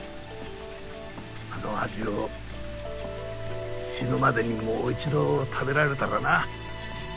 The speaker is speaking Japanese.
あの味を死ぬまでにもう一度食べられたらな。